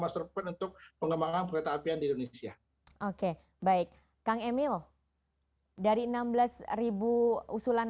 master plan untuk pengembangan kereta apian di indonesia oke baik kang emil dari enam belas usulan